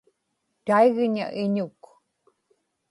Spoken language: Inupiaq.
taigña iñuk